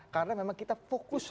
karena memang kita fokus hari ini